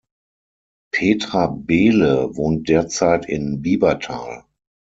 Petra Behle wohnt derzeit in Biebertal.